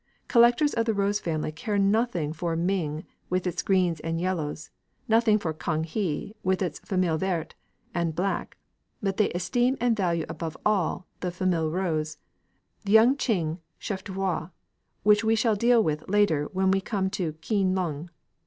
Collectors of the rose family care nothing for Ming with its greens and yellows, nothing for Kang he with its "famille verte" and black, but they esteem and value above all the "famille rose," the Yung ching chef d'┼ōuvre, which we shall deal with later when we come to Keen lung.